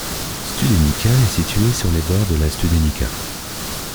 Studenica est située sur les bords de la Studenica.